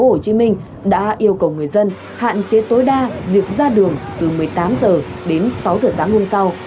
tp hcm đã yêu cầu người dân hạn chế tối đa việc ra đường từ một mươi tám h đến sáu h sáng hôm sau